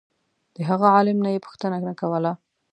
د هغه عالم نه یې پوښتنه نه کوله.